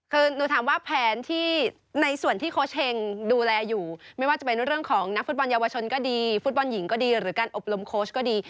คือหนูถามว่าแผนที่ในส่วนที่โค้ชเฮงดูแลอยู่ไม่ว่าจะเป็นเรื่องของนักฟุตบอลเยาวชนก็ดีฟุตบอลหญิงก็ดีหรือการอบรมโค้ชก็ดี